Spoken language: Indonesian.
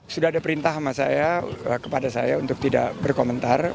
sudah ada perintah sama saya kepada saya untuk tidak berkomentar